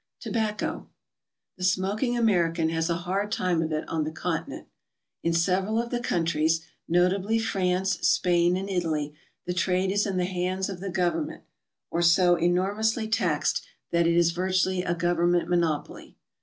TOBACCO. The smoking American has a hard time of it on the Continent. In several of the countries, notably France, Spain, and Italy, the trade is in the hands of the govern ment, or so enormously taxed that it is virtually a govern ment monopoly.